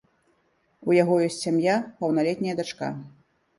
У яго ёсць сям'я, паўналетняя дачка.